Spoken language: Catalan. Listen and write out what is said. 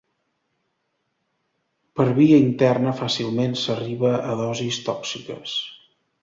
Per via interna fàcilment s'arriba a dosis tòxiques.